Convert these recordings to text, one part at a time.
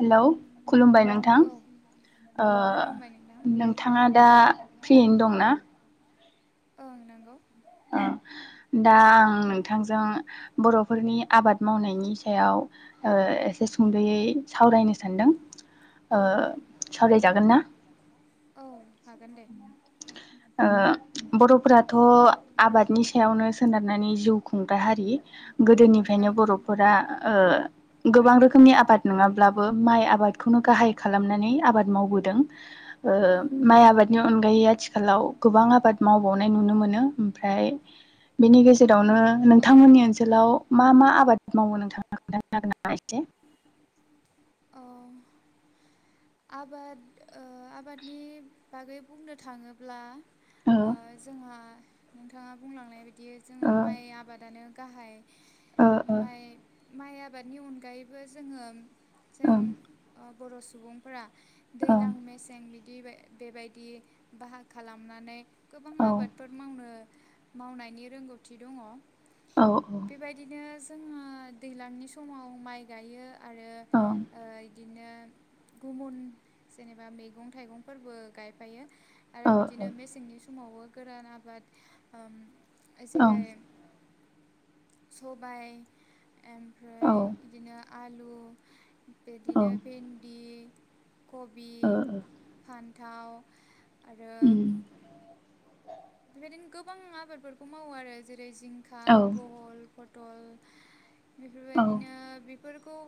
Hello खुलुमबाय नोंथां ओ नोंथाङा दा फ्रियैनो दं ना ओं नंगौ दा आं नोंथांजों बरफोरनि आबाद मावनायनि सायाव ओ एसे सुंदयै सावरायनो सानदों ओ सावरायजागोन ना औ हागोन दे ओ बर' फोराथ आबादनि सायावनो सोनारनानै जिउ खुंग्रा हारि गोदोनिफ्रायनो बर'फोरा ओ गोबां रोखोमनि आबाद नङाब्लाबो माइ आबादखौनो गाहाय खालामनानै आबाद मावबोदों। ओ माय आबाद अनगायै आथिखालाव गोबां आबाद मावबावनाय नुनो मोनो ओमफ्राय बेनि गेजेरावनो नोंथांमोननि ओनसोलाव मा मा आबाद मावो नोंथाङा खोन्थानो हागोन नामा एसे? अ आबाद ओ आबादनि बागै बुंनो थाङोब्ला ओ जोंहा नोंथाङा बुंलांनाय बे दि जोंहा माइ आबादानो गाहाय माइ माइ आबादनि अनगायैबो जोंङो जों अ बर' सु सुबुंफोरा दैलां मेसें बि बेबाय बेबायदि बाहाग खालामनानै गोबां आबादफोर मावनो मावनायनि रोंगौथि दङ। बेबायदिनो जोङो दैज्लांनि समाव माइ गायो आरो ओ इदिनो गुबुन जेनेबा मैगं थाइगंफोरबो गायफायो। आरो बिदिनो मेसेंनि समावबो गोरान आबाद ओम जेरै सबाय ओमफ्राय बिदिनो आलु बिदिनो भिन्दि खबि फानथ थाव आरो बेबायदिनो गोबां आबादफोरखौ मावो आरो जे रै जिंखा, बहल, फथ थल बेफोरबायदिनो बि फोरखौ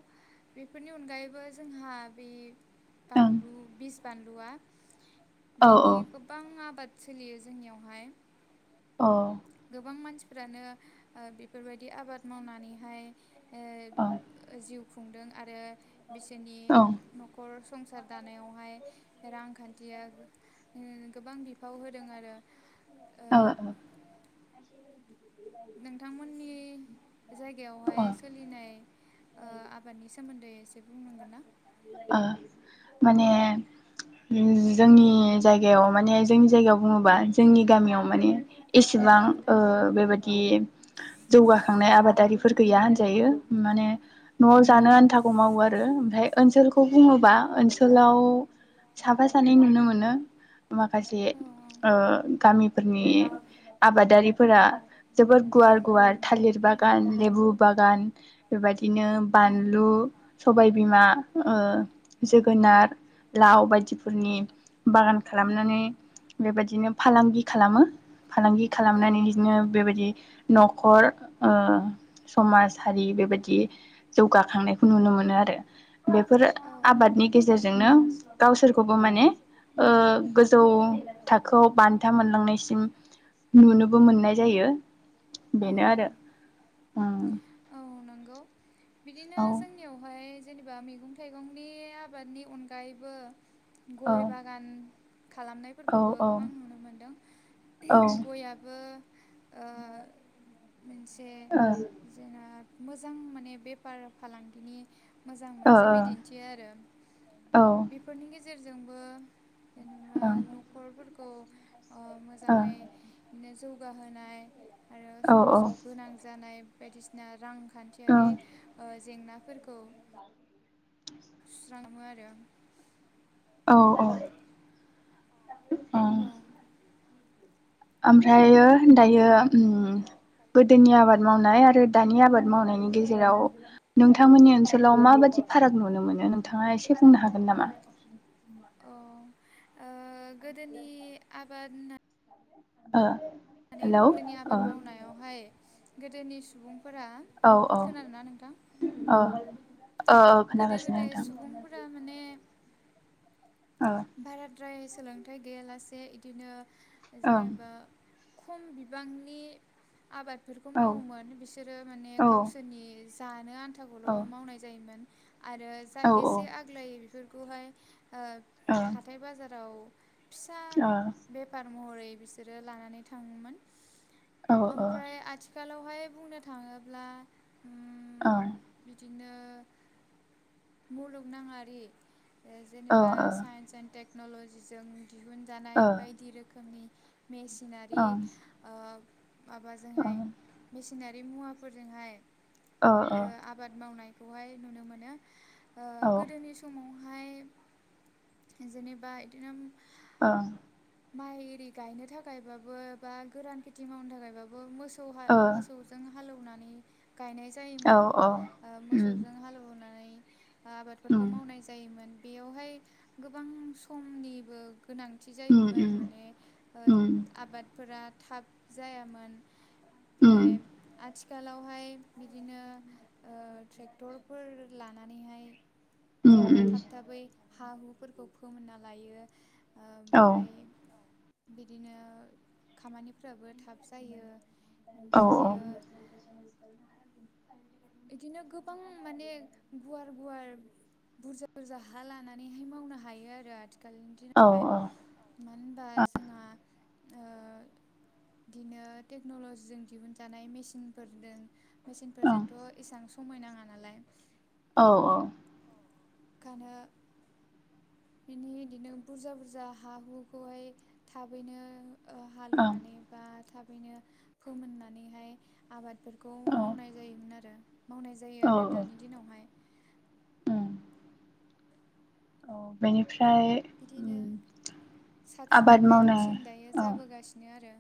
बेफोरनि अनगायैबो जोंहा बे बानलु बिस बानलुआ बेनि गोबां आबाद सोलियो जोंनियाव बहाय अ' गोबां मानसिफ्रानो ओ बेफोरबायदि आबाद मावनानैहाय ओं खुंदों आरो बिसोरनि न'खर संसार दानायावहाय रांखान्थिया ओ गोबां बि फाव होदों आरो। औ ओ नोंथांमोननि जायगायावहाय सोलिनाय ओ आबादनि सोमोन्दै एसे बुंनांगोन ना? माने जोंनि जायगायाव माने जोंनि जायगायाव बुङोबा जोंनि गामियाव माने एसेबां ओ बेबादि जौगाखांनाय आबादारिफोर गैया होनजायो। माने न'आव जानो आन्थाखौ मावो आरो ओमफ्राय ओनसोलखौ बुङोबा ओनसोलाव साफा सानै नुनो मोनो। माखासे ओ गामिफोरनि आबादारि फोरा जोबोर गुवार गुवार थालिर बागान लेबु बागान बेबादिनो बानलु, सबाय बिमा ओ जोगोनार, लाव बायदिफोरनि बागान खालामनानै बेबायदिनो फालांगि खालामो। फालांगि खालामनानै इदिनो बे बायदि न'खर ओ समाज हारि बेबायदि जौगाखांनायखौ नुनो मोनो आरो। बेफोर आबादनि गेजेरजोंनो गावसोरखौबो माने गोजौ ओ थाखोआव बान्था मोनलांनायसिम नुनोबो मोननाय जायो। बेनो आरो उम बिदिनो जोंनियावहाय जेनेबा मैगं थाइगंनि आबादनि अनगायैबो गय बागान खालामनायफोरखौबो गोबां नुनो मोनदों गयाबो ओ मोनसे जोंहा मोजां माने बे फार फालांगिनि मोजां मोनसे बिदिन्थि आरो बेफोरनि गेजेराव जेरजोंबो जेनेबा न'खरबो ओ मोजाङै बिदिनो जौगाहोनाय आरो समाजाव गोनां जानाय बायदिसिना रां खान्थियारि जेंनाफोरखौ सुस्राङो आरो औ औ। औ। ओमफ्रायो दायो उम गोदोनि आबाद मावनाय आरो दानि आबाद मावनायनि गेजेराव नोंथांमोननि ओनसोलाव माबायदि फाराग नुनो मोनो नोंथाङा एसे बुंनो हागोन नामा? [inaudible] ओ। गोदोनि आबाद होनना आ। [unintelligible] आबाद मावनायावहाय गोदोनि सुबुं फोरा खोनादों ना नोंथां? गोदो गोदाय सुबुंफोरा माने भारत रायज सोलोंथाइ गैयालासे इदिनो जेनेबा खम बिबांनि आबादफोरखौ मावोमोन बिसोरो माने गावसोरनि दानोआ थाखौल' मावनाय जायोमोन। आरो जा एसे आग्लायो बेफोर खौहाय ओ हाथाय बाजाराव फिसा बेपार महरै बिसोरो लानानै थाङोमोन। ओमफ्राय आथिखालाव हाय बुंनो थाङोब्ला उम‌ आ मुलुगनाङारि जेनेबा साइन्स एन्ड टेक न'ल'जिजों दिहुनजानाय बायदि रोखोमनि मेसिनारि ओ माबाजोंहाय मेसिनार बे मुवाफोरजोंहाय ओ आबाद मावनाय खौहाय नुनो मोनो। ओ गोदोनि समाव हाय जेनेबा इदिनो ओं माइ इरि गायनो थाखायबाबो बा गोरान खेथि मावनो थाखायबाबो मोसौ सौहा मोसौजों हालौवनानै गायनाय जायोमोन ओ मोसौज मावनानै आबादफोरखौ मावनाय जायोमोन बेयावहाय गोबां समनिबो गोनांथि जायोमोन माने आबादफोरा थाब जायामोन ओमफ्राय आथिखालावहाय बिदिनो ओ थ्रेक टरफोर लानानैहाय जेनेबा थाब थाबै हा हुफोरखौ फोमोनना लायो ओमफ्राय बिदिनो खामानिफोराबो थाब जायो। ओमफ्रायो इदिनो गोबां माने गुवार गुवार बुरजा बुरजा हा लानानैनो मावनो हायो आरो आथिखालनि दिनावहा मानो होनबा जोंहा बिदिनो टेक्न'ल'जिजों दिहुनजानाय मेसिनफोरदों मेचिनफोरजोंथ' एसां समाय नाङा नालाय गानो बिनि बिदिनो बुरजा बुरजा हा हुखौहाय थाबैनो ओ हालेवनानै बा थाबैनो फोमोननानैहाय आबादफोरखौ मावनाय जायोमोन आरो। मावनाय जायो आरो दानि दिनावहाय। अ बेनि बिदिनो साबसिननिफ्राय हामसिन दायो जाबोगासिनो आरो।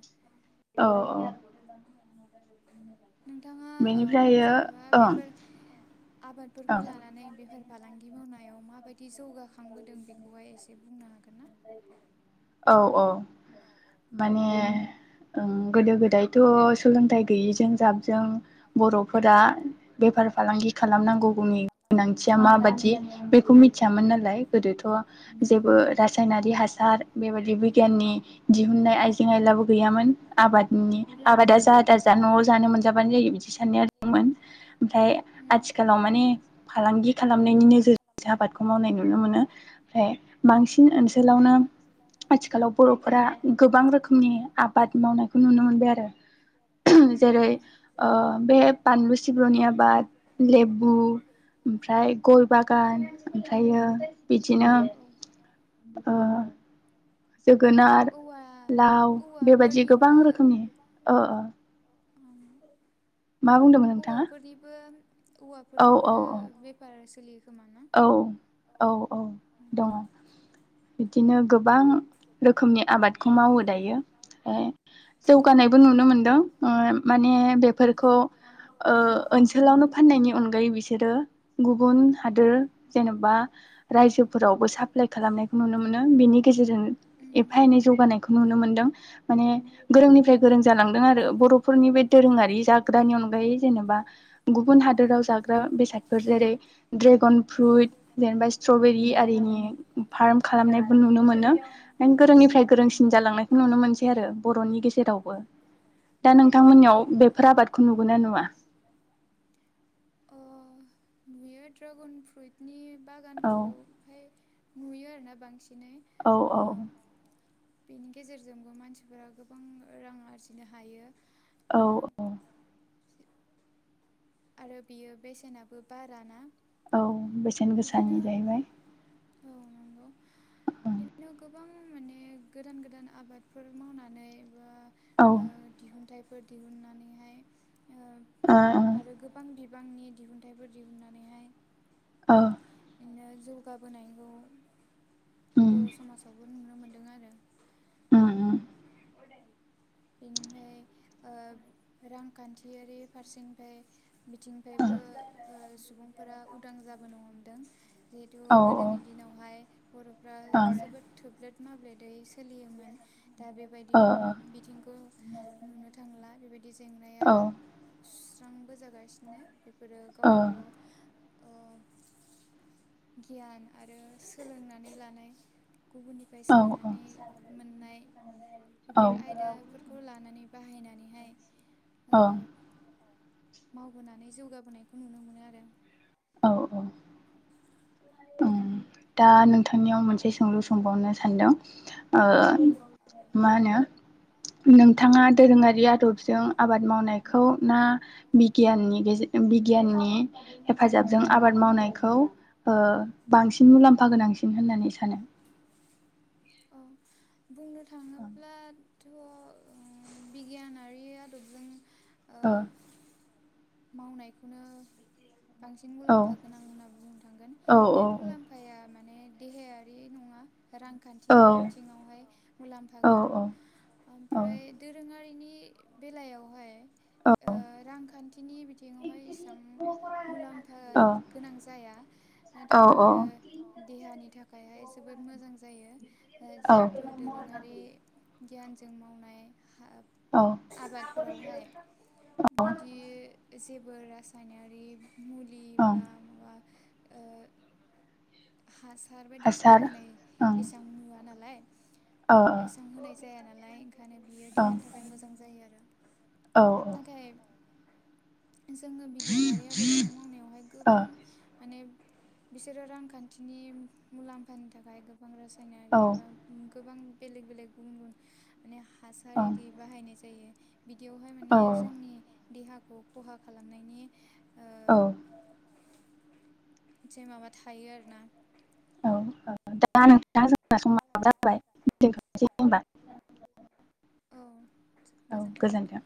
औ औ। नोंथाङा ओ जेनेबा बेफोर आबादफोरखौ लानानै बेफोर फालांगि मावनायाव माबायदि स औ औ। माने ओ गोदो गोदायथ' सोलोंथाइ गैयिजों जाबजों बर'फोरा बेफार फालांगि खालामनांगौनि गोनांथिया माबादि बेखौ मिथियामोन नाल [unintelligible] गोदोथ' जेबो रासायनारि हासार बेबायदि बिगियाननि दिहुननाय आइजें आइलाबो गैयामोन आबादनि आबादा जाबा दाजा न'आव जानो मोनजाबानो जायो बिदि साननाय दंमोन ओमफ्राय आथिखालाव माने फा खालामनायनि नोजोरजोंसो आबादखौ मावनाय नुयो। नो फ्राय बांसिन ओनसोलावनो आथिखालाव बर'फोरा गोबां रोखोमनि आबाद मावनायखौ नुनो मोनदो आरो [unintelligible] जेरै ओ बे बानलु सिब्रुनि आबाद लेबु ओमफ्राय गय बागान ओमफ्रायो बिदिनो ओ जोगोनार लाव बेबायादि गोबां रोखोमनि ओ ओ। औवाफोरनिबो औवाफोरनिबो बेफार सोलियो। औ औ औ दङ। बिदिनो गोबां रोखोमनि आबादखौ मावो दायो ओ जौगानायबो नुनो मोनदों ओ माने बेफोरखौ ओ ओनसोलावनो फाननायनि अनगायै बिसोरो गुबुन दो जेनेबा रायजोफोरावबो साप्लाइ खालामनायखौ नुनो मोनो बिनि गेजेरजों एफा एनै जौगानायखौ नुनो मोनदों माने गोरोंनिफ्राय गोरों जालांदों आरो बर'फोरनि बे दोरोङारि जाग्रानि अनगायै जेनेबा गुबुन हादोराव जाग्रा बेसादफोर जेरै ड्रेगन फ्रुइट जेनेबा स्ट्रबेरि आरिनि फार्म खालामनायबो नुनो मोनो। नों गोरोंनिफ्राय गोरोंसिन जालांनायखौ नुनो मोनसै आरो बर'नि गेजेरावबो दा नोंथांमोननियाव बेफोर आबादखौ नुुगोना नुवा? नुयो ड्रागन फ्रुइटनि बागानखौहाय नुयो आरोना बांसिनै। औ औ। बेनि गेजेरजोंबो मानसिफोरा गोबां रां आरजिनो हायो। औ औ आरो बियो बेसेनाबो बारा ना औ बेसेन गोसानि जाहैबाय। औ नंगौ बिदिनो गोबां माने गोदान गोदान आबादफोर मावनानै आ ओ दिहुनथाय फोर दिहुननानैहाय ओ ओ गोबां बिबांनि दिहुनथाइफोर दिहुननानैहाय औ बिदिनो जौगाबोनायखौ बर' समाजावबो नुनो मोनदों आरो [unintelligible] ओ रांखान्थियारि फारसेनिफ्राय मिथिं बेनिफ्रायबो ओ सुबुंफोरा उदां जाबोनो हमदों जिहेथु गोदोनि दिनावहाय बरफ्रा जोबोद थोब्लेद माब्लेदै सोलियोमोन। दा बेबायदि बिथिंखौ नुनो थांला। बेबायदि औ [unintelligible] बोजागासिनो। बेफोरो गावबा गाव अ गियान आरो सोलोंनानै लानाय गुबुननिफ्राय सोलोंनानै मोननाय बेफोर आयदा लानानै बाहायनानैहाय अ मावबोनानै जौगाबोनायखौ नुनो मोनो आरो। औ औ उम दा नोंथांनियाव मोनसे सोंलु सोंबावनो सानदों। ओ मा होनो नोंथाङा दोरोङारि आदबजों आबाद मावनायखौ ना बिगियाननि गेजे बिगियाननि हेफाजाबजों आबाद मावनायखौ ओ बांसिन मुलाम्फा गोनांसिन होननानै सानो। अ बुंनो ओं थ उम बिगियानारि आदबजों ओ मावनायखौनो बांसिन मुलाम्फा गोनां होनना बुंनो थांगोन बे मुलाम्फाया माने देहायारि नङा। रांखान्थियारि बिथिङावहाय मुलाम्फा गोनां ओमफ्राय दोरोङारिनि बे बेलायावहाय ओ रांखान्थिनि बिथिङावहाय इसां मुलाम्फा गोनां जाया नाथाय बियो देहानि थाखायहाय जोबोद मोजां जायो ओ जिहेथु दोरोङारि गियानजों मावनाय हाब आबादफोरावहाय बिदि जेब बो रासायनारि मुलि बा मुवा औ हास हार बायदिसिना होनाय एसेबां नुवा नालाय एसां होनाय जायाना खायनो बियो देहानि थाखाय मोजां जायो आरो नाथाय जोङो बिगियानारि आदबजों मावनायावहाय ओ ने बिसोरो रांखान्थिनि मुलाम्फानि थाखाय गोबां रास नारि बा गोबां बेलेग बेलेग गुबुन गुबुन माने हासार इिदिबाहायनाय जायो। बिदियावहाय माने जोंनि देहाखौ खहा खालामनायनि औ जे माबा थायो आरोना औ औ दा नोंथां जोंना समानो जाबाय दोनथनोसै होनबा। औ गोजोन्थों नोंथां।